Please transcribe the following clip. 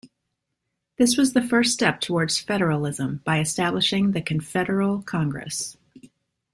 This was the first step towards federalism by establishing the confederal Congress.